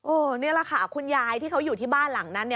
นี่แหละค่ะคุณยายที่เขาอยู่ที่บ้านหลังนั้น